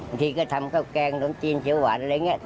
บางทีก็ทำข้าวแกงขนมจีนเขียวหวานอะไรอย่างนี้